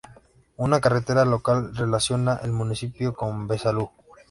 Una carretera local relaciona el municipio con Besalú.